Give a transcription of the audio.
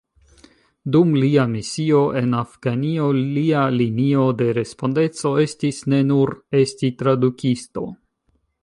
Dum lia misio en Afganio lia linio de respondeco estis ne nur esti tradukisto.